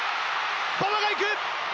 馬場が行く！